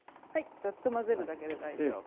ザッと混ぜるだけで大丈夫。